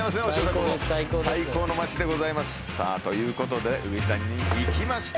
ここ最高の街でございますさあということで鶯谷に行きました